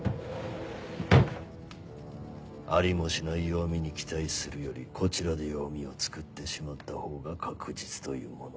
ありもしない弱みに期待するよりこちらで弱みを作ってしまったほうが確実というもの。